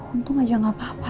untung aja gak apa apa